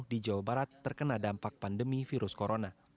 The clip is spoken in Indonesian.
di jawa barat terkena dampak pandemi virus corona